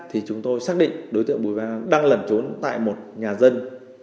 thì chúng tôi xác định đối tượng bùi văn đang lẩn trốn tại một nhà dân